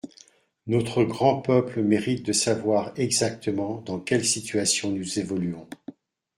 Notre grand peuple mérite de savoir exactement dans quelle situation nous évoluons.